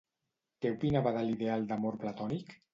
Què opinava de l'ideal d'amor platònic?